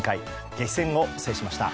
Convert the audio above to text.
激戦を制しました。